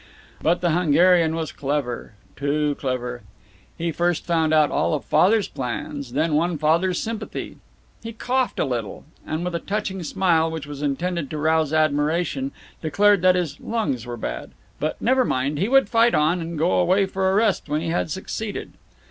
But the Hungarian was clever, too clever. He first found out all of Father's plans, then won Father's sympathy. He coughed a little, and with a touching smile which was intended to rouse admiration, declared that his lungs were bad, but never mind, he would fight on, and go away for a rest when he had succeeded.